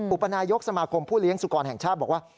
อุปนายกสมาคมผู้เลี้ยงสุกรแห่งชาติบอกว่า